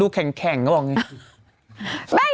ดูแข็งก็บอกงี้